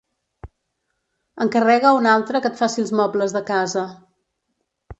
Encarrega a un altre que et faci els mobles de casa.